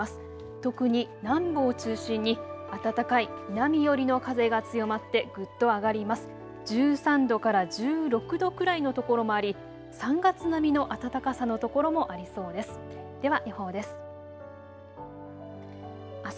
特に南部を中心に暖かい南寄りの風が強まってぐっと上がります。